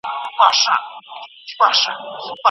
که ژمن ونه اوسې نو خلک درته ارزښت نه ورکوي.